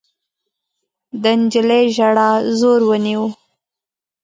د نجلۍ ژړا زور ونيو.